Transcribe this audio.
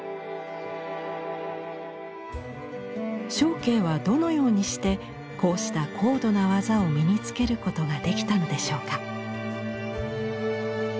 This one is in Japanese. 祥啓はどのようにしてこうした高度な技を身につけることができたのでしょうか。